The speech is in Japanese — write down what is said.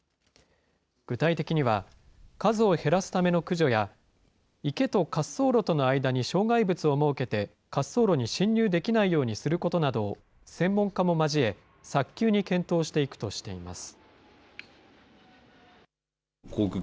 具体的には、数を減らすための駆除や、池と滑走路との間に障害物を設けて、滑走路に侵入できないようにすることなどを、専門家も交え、早急に検討していくとしています。